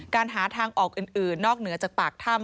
หาทางออกอื่นนอกเหนือจากปากถ้ำ